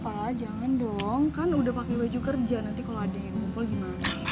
pa jangan dong kan udah pake wajah kerja nanti kalau ada yang ngumpul gimana